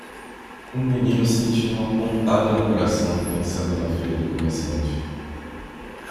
O menino sentiu uma pontada no coração pensando na filha do comerciante.